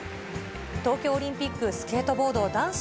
東京オリンピックスケートボード男子